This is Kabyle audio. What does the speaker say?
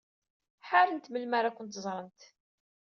Ḥarent melmi ara kent-ẓrent.